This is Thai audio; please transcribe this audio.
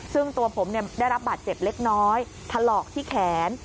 ซึ่งตัวผมได้รับบาดเจ็บเล็กน้อยถลอกที่แขน